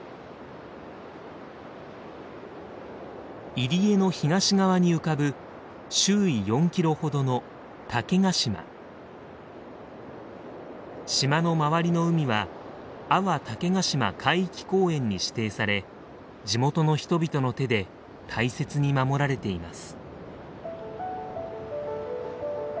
入り江の東側に浮かぶ周囲４キロほどの島の周りの海は阿波竹ヶ島海域公園に指定され地元の人々の手で大切に守られています。